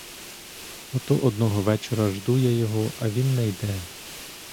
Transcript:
Ото одного вечора жду я його, а він не йде.